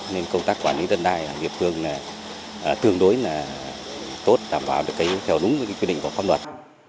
nên công tác quản lý đất đai ở địa phương thường đối là tốt đảm bảo theo đúng quy định của phong luật